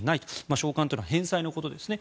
償還というのは返済のことですね。